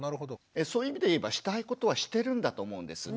そういう意味で言えばしたいことはしてるんだと思うんです。